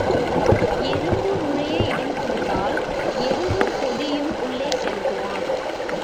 எறும்பு நுழைய இடம் கொடுத்தால் எருதும் பொதியும் உள்ளே செலுத்துவான்.